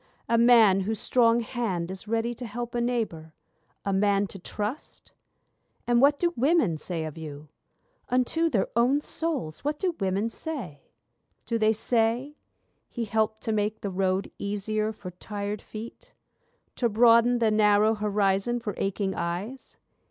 A man whose strong hand is ready to help a neighbour, A man to trust'? And what do women say of you? Unto their own souls what do women say? Do they say: 'He helped to make the road easier for tired feet? To broaden the narrow horizon for aching eyes?